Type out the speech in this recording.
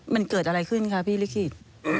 มันเกิดอะไรขึ้นคะพี่ลิขิต